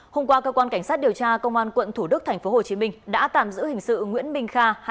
hôm qua cơ quan cảnh sát điều tra công an quận thủ đức tp hcm đã tạm giữ hình sự nguyễn minh kha